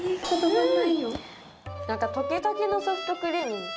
なんかとけかけのソフトクリーム。